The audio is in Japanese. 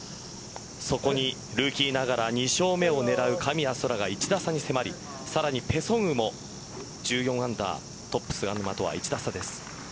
そこにルーキーながら２勝目を狙う神谷そらが１打差に迫りさらにペ・ソンウも１４アンダートップ菅沼とは１打差です。